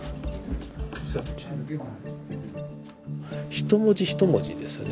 一文字一文字ですよね